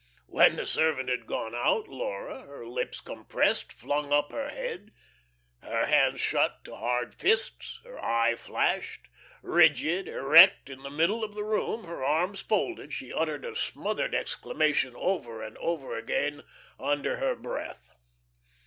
When the servant had gone out Laura, her lips compressed, flung up her head. Her hands shut to hard fists, her eye flashed. Rigid, erect in the middle of the floor, her arms folded, she uttered a smothered exclamation over and over again under her breath.